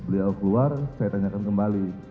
beliau keluar saya tanyakan kembali